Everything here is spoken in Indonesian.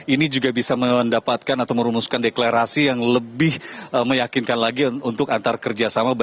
ini juga bisa mendapatkan atau merumuskan deklarasi yang lebih meyakinkan lagi untuk antar kerjasama